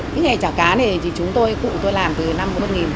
cái này chả cá này thì chúng tôi cụ tôi làm từ năm một nghìn tám trăm năm mươi